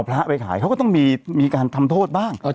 พระที่ได้น้อยขายก็ต้องมีก็จะทำโทษบ้าง